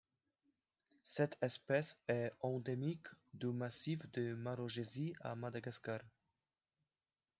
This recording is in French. Cette espèce est endémique du massif de Marojezy à Madagascar.